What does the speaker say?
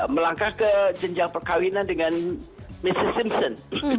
melangkah ke jenjang perkahwinan dengan mrs simpson